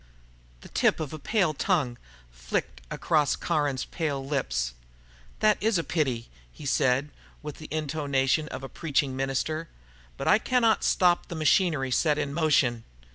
The tip of a pale tongue flicked across Caron's pale lips. "That is a pity," he said, with the intonation of a preaching minister. "But I cannot stop the machinery set in motion...."